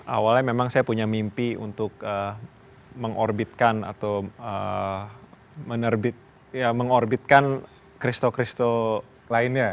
awalnya memang saya punya mimpi untuk mengorbitkan atau mengorbitkan christo kristo lainnya